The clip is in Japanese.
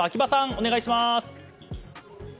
お願いします。